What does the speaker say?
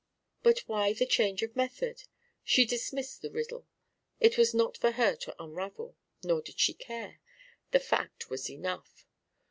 But why the change of method? She dismissed the riddle. It was not for her to unravel. Nor did she care. The fact was enough.